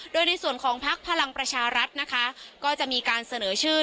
โดยในส่วนของพักพลังประชารัฐนะคะก็จะมีการเสนอชื่อ